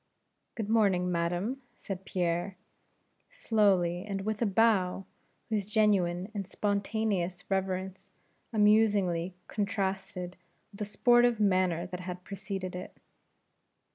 "Good morning, madam," said Pierre, slowly, and with a bow, whose genuine and spontaneous reverence amusingly contrasted with the sportive manner that had preceded it.